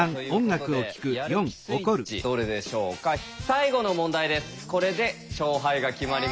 最後の問題です。